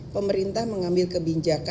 pemerintah mengambil kebijakan